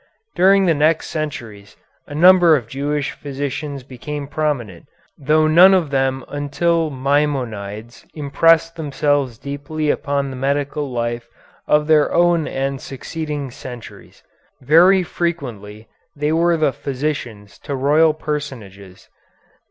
During the next centuries a number of Jewish physicians became prominent, though none of them until Maimonides impressed themselves deeply upon the medical life of their own and succeeding centuries. Very frequently they were the physicians to royal personages.